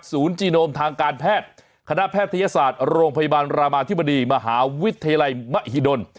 จีโนมทางการแพทย์คณะแพทยศาสตร์โรงพยาบาลรามาธิบดีมหาวิทยาลัยมหิดล